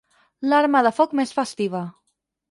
L'arma de foc més festiva.